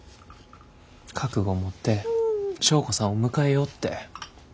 覚悟持って祥子さんを迎えようって。